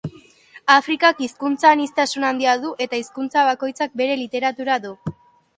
Afrikak hizkuntza-aniztasun handia du eta hizkuntza bakoitzak bere literatura du.